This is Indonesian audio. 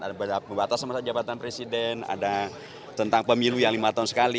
ada pembatasan masalah jabatan presiden ada tentang pemilu yang lima tahun sekali